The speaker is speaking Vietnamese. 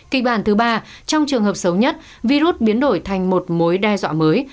kịch bản thứ ba trong trường hợp xấu nhất virus biến đổi thành một mối đe dọa mới